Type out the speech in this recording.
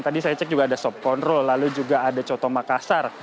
tadi saya cek juga ada sobkondrol lalu juga ada cotoma kasar